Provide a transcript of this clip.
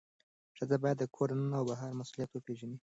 ښځه باید د کور دننه او بهر مسؤلیت وپیژني.